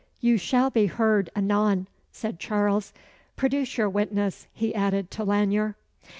you shall be heard anon," said Charles. "Produce your witness," he added to Lanyere.